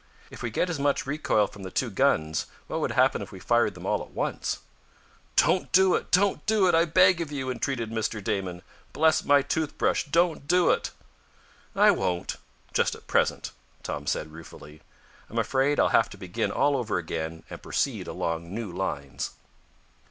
"If we get as much recoil from the two guns, what would happen if we fired them all at once?" "Don't do it! Don't do it, I beg of you!" entreated Mr. Damon. "Bless my toothbrush don't do it!" "I won't just at present," Tom said, ruefully. "I'm afraid I'll have to begin all over again, and proceed along new lines."